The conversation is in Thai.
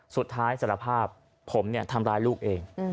สุดท้ายสารภาพผมทำร้ายลูกเอง